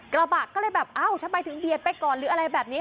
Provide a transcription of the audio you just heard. กระบะก็เลยแบบเอ้าทำไมถึงเบียดไปก่อนหรืออะไรแบบนี้